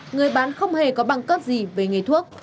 người bán không hề có bằng cấp gì về nghề thuốc